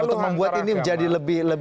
untuk membuat ini menjadi lebih